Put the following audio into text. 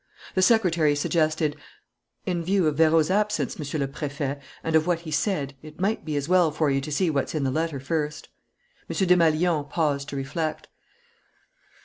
The secretary suggested: "In view of Vérot's absence, Monsieur le Préfet, and of what he said, it might be as well for you to see what's in the letter first." M. Desmalions paused to reflect.